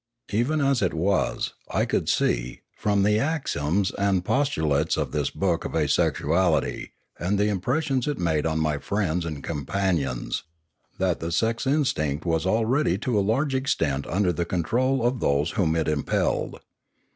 Even as it was, I could see, from the axioms and postulates of this book of Asexuality, and the impres sion it made on my friends and companions, that the sex instinct was already to a large extent under the control of those whom it impelled.